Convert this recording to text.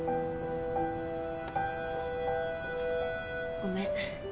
ごめん。